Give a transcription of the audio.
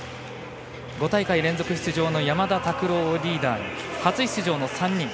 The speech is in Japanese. ５大会連続出場の山田拓朗をリーダーに初出場の３人。